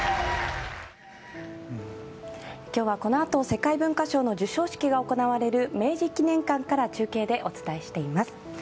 今日は、このあと世界文化賞の授賞式が行われる明治記念館から中継でお伝えしています。